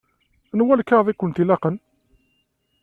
Anwa lkaɣeḍ i kent-ilaqen?